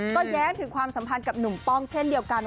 ก็แย้งถึงความสัมพันธ์กับหนุ่มป้องเช่นเดียวกัน